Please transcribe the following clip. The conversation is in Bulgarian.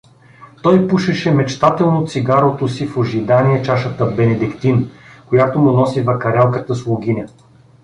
Той пушеше мечтателно цигарото си в ожидание чашата бенедиктин, която му носи вакарелката слугиня.